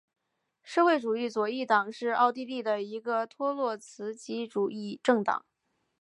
社会主义左翼党是奥地利的一个托洛茨基主义政党。